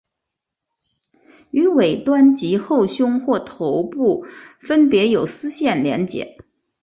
于尾端及后胸或头部分别有丝线连结。